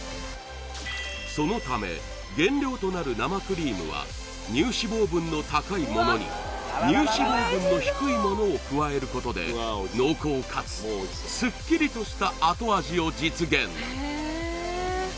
そのため原料となる生クリームは乳脂肪分の高いものに乳脂肪分の低いものを加えることで濃厚かつスッキリとした後味を実現